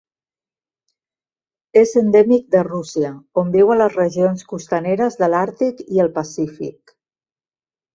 És endèmic de Rússia, on viu a les regions costaneres de l'Àrtic i el Pacífic.